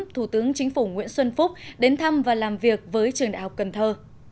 thủ tướng chính phủ nguyễn xuân phúc đến thăm và làm việc với trường đại học cần thơ